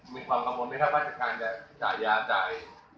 มีความกังวลไหมครับว่าราชการจะจ่ายยาจ่าย